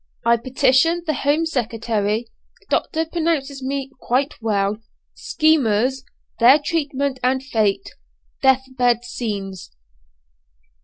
I PETITION THE HOME SECRETARY DOCTOR PRONOUNCES ME "QUITE WELL" "SCHEMERS;" THEIR TREATMENT AND FATE DEATH BED SCENES.